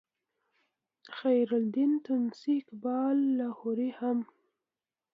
خیرالدین تونسي اقبال لاهوري هم